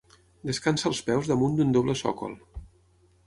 Descansa els peus damunt d'un doble sòcol.